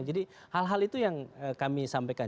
hal hal itu yang kami sampaikan